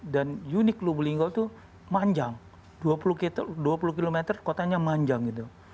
dan unit lubu linggau itu manjang dua puluh km kotanya manjang gitu